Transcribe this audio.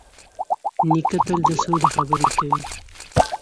نیکه تل د سولې خبرې کوي.